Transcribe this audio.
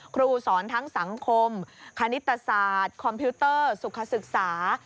ครูสอนทั้งสังคมคณิตศาสตร์คอมพิวเตอร์สุขศึกษา